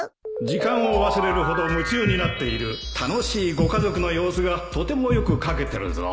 時間を忘れるほど夢中になっている楽しいご家族の様子がとてもよく書けてるぞ